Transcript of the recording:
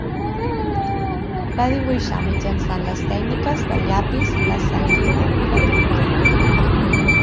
Va dibuixar mitjançant les tècniques del llapis, la sanguina i la tinta.